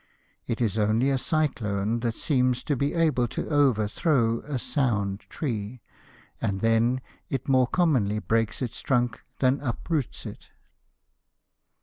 It is only a cyclone that seems to be able to overthrow a sound tree, and then it more commonly breaks its trunk than uproots it.